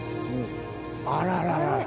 あらららら！